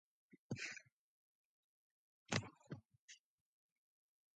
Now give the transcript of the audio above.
At that point of time, it was important to walk away from that relationship.